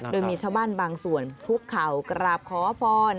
โดยมีชาวบ้านบางส่วนคุกเข่ากราบขอพร